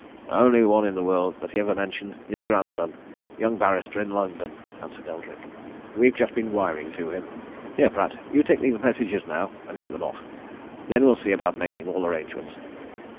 "Only one in the world that he ever mentioned his grandson a young barrister in London," answered Eldrick. "We've just been wiring to him. Here, Pratt, you take these messages now, and get them off. Then we'll see about making all arrangements.